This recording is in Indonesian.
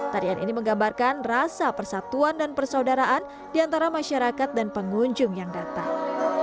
tarian ini menggambarkan rasa persatuan dan persaudaraan di antara masyarakat dan pengunjung yang datang